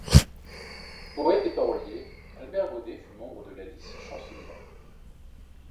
Poète et parolier, Albert Godet fut membre de la Lice chansonnière.